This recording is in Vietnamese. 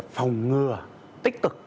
phòng ngừa tích cực